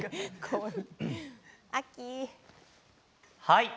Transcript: はい。